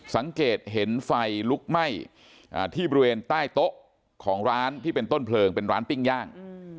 สังเกตเห็นไฟลุกไหม้ที่บริเวณใต้โต๊ะของร้านที่เป็นต้นเพลิงเป็นร้านปิ้งย่าง